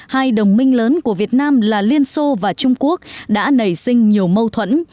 hai đồng minh lớn của việt nam là liên xô và trung quốc đã nảy sinh nhiều mâu thuẫn